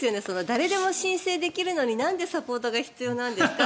誰でも申請できるのになんでサポートが必要なんですか？